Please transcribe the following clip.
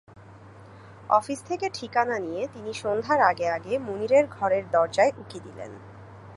Office থেকে ঠিকানা নিয়ে, তিনি সন্ধ্যার আগে আগে মুনিরের ঘরের দরজায় উঁকি দিলেন।